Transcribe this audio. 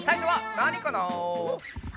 なにかな？